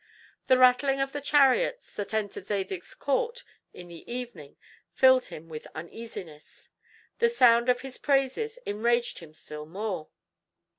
The rattling of the chariots that entered Zadig's court in the evening filled him with uneasiness; the sound of his praises enraged him still more.